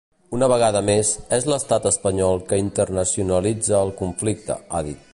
Una vegada més, és l’estat espanyol que internacionalitza el conflicte, ha dit.